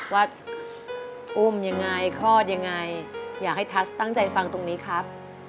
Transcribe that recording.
ว่าอุ้มยังไงคลอดยังไงอยากให้ทัศตั้งใจฟังตรงนี้ครับ